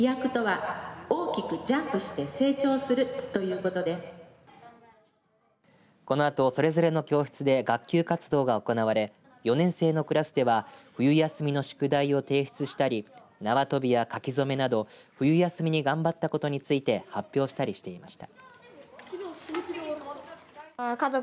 このあと、それぞれの教室で学級活動が行われ４年生のクラスでは冬休みの宿題を提出したり縄跳びや書き初めなど冬休みに頑張ったことについて発表したりしていました。